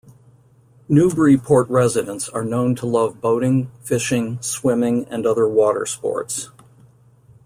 Newburyport residents are known to love boating, fishing, swimming, and other water sports.